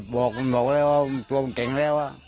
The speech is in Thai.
บอกเลยว่ามันดูเคร็งแล้ว